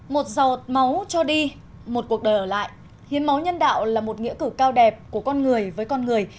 một giọt máu cho đi một cuộc đời ở lại hiến máu nhân đạo là một nghĩa cử cao đẹp của con người với con người